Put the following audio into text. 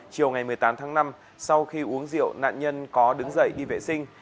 chiều ngày một mươi tám tháng năm sau khi uống rượu nạn nhân có đứng dậy đi vệ sinh